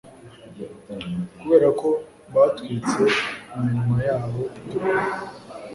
Kuberako batwitse iminwa yabo itukura